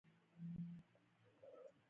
تعلیم نجونو ته د نويو فرصتونو دروازې پرانیزي.